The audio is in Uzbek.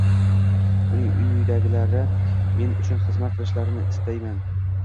Uning uyidagilari men uchun xizmat qilishlarini istamayman.